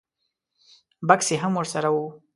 بکس یې هم ور سره و.